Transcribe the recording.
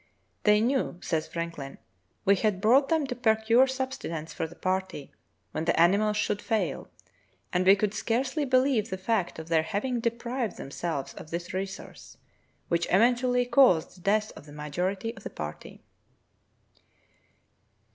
"They knew [says Franklin] we had brought them to procure subsistence for the party, when the animals should fail, and we could scarcely believe the fact of their having deprived themselves of this resource," which eventually caused the death of the majority of the party.